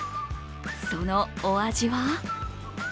そのお味は？